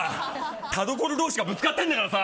田所同士がぶつかっちゃってるんだからさ。